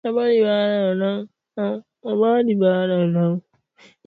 na wachambuzi wa masuala ya siasa wanasema dalili